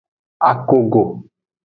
Akogo.